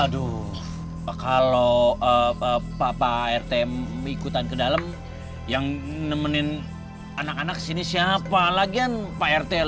aduh kalau papa rt ikutan ke dalam yang nemenin anak anak sini siapa lagian pak rt